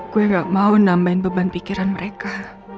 gue gak mau nambahin beban pikiran mereka